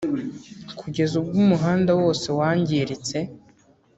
kugeza ubwo umuhanda wose wangiritse”